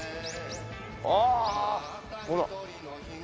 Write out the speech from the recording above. ああほら。